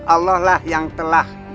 allah lah yang telah